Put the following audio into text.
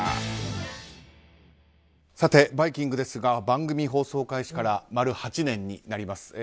「バイキング」ですが番組放送開始から丸８年になります。